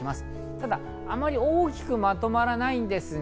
ただあまり大きくまとまらないんですね。